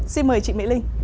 xin mời chị mỹ linh